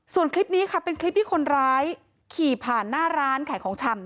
ส่วนคลิปนี้ค่ะเป็นคลิปที่คนร้ายขี่ผ่านหน้าร้านขายของชำ